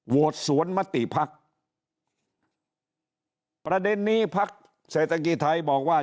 โหวตสวนมติภักดิ์ประเด็นนี้ภักดิ์เศรษฐกีไทยบอกว่า